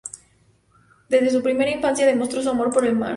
Desde su primera infancia demostró su amor por el mar.